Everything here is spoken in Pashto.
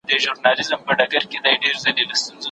د بل چا مال ته په بده سترګه مه ګورئ.